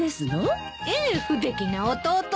ええ不出来な弟で。